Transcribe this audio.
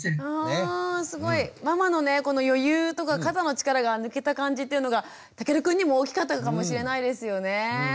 ママのねこの余裕とか肩の力が抜けた感じというのがたけるくんにも大きかったかもしれないですよね。